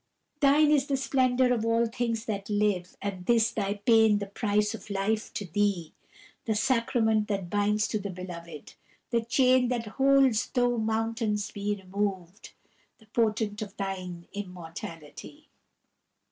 Thine is the splendour of all things that live, And this thy pain the price of life to thee The sacrament that binds to the beloved, The chain that holds though mountains be removed, The portent of thine immortality.